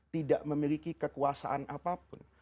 tidak memiliki kekuasaan apapun